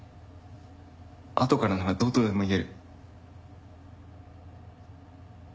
あとからならどうとでも言える。